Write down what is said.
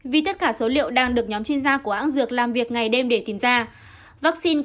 vì tất cả số liệu đang được nhóm chuyên gia của hãng dược làm việc ngày đêm để tìm ra vaccine